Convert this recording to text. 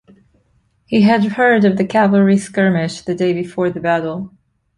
He had heard of the cavalry skirmish the day before the battle.